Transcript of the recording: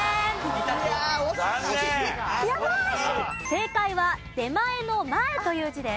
正解は出前の「前」という字です。